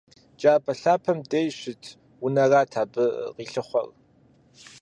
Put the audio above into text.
Джабэ лъапэм деж щыт унэрат абы къилъыхъуэр.